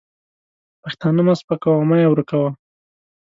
پښتانه مه سپکوه او مه یې ورکوه.